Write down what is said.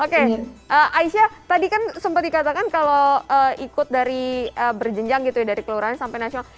oke aisyah tadi kan sempat dikatakan kalau ikut dari berjenjang gitu ya dari kelurahan sampai nasional